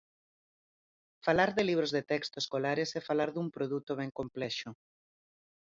Falar de libros de texto escolares é falar dun produto ben complexo.